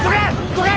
どけ！